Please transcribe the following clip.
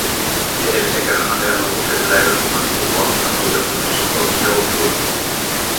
Edellisen kerran asia on ollut esillä eduskunnan ulkoasiainvaliokunnassa kolmas joulukuuta.